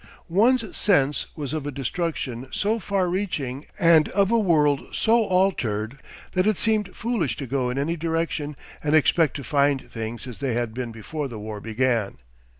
'One's sense was of a destruction so far reaching and of a world so altered that it seemed foolish to go in any direction and expect to find things as they had been before the war began.